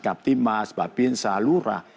tapi capt timas babin salura